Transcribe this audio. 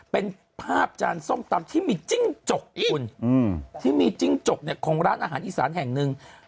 เป็นภาพจานส้มตำที่มีจิ้งจกของร้านอาหารอีสานแห่งนึง